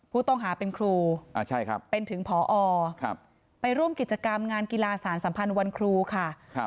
ผู้ต้องหาเป็นครูเป็นถึงพอไปร่วมกิจกรรมงานกีฬาสารสัมพันธ์วันครูค่ะ